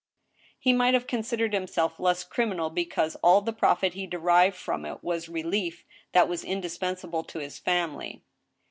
He might have considered himself less criminal becatse all the profit he derived from it was relief that was indispensable to his family.